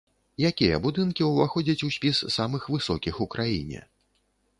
Якія будынкі ўваходзяць у спіс самых высокіх у краіне?